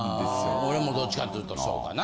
俺もどっちかというとそうかな。